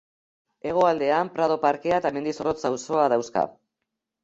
Hegoaldean Prado parkea eta Mendizorrotz auzoa dauzka.